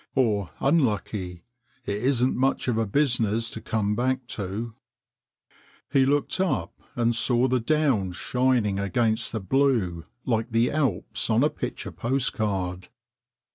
Or unlucky it isn't much of a business to come back to." He looked up and saw the downs shining against the blue like the Alps on a picture postcard.